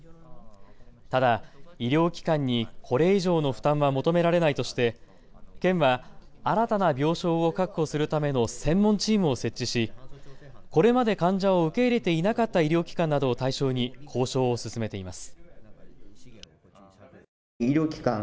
ただ医療機関に、これ以上の負担は求められないとして県は新たな病床を確保するための専門チームを設置しこれまで患者を受け入れていなかった医療機関などを対象に交渉を進めています。